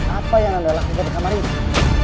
apa yang anda lakukan di kamar ini